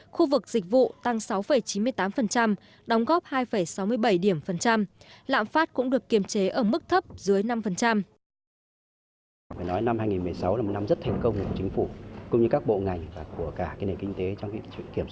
khu vực dịch vụ tăng sáu chín mươi tám đóng góp hai sáu mươi bảy điểm